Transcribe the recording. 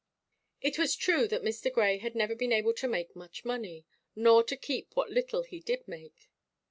It was true that Mr. Grey had never been able to make much money, nor to keep what little he did make.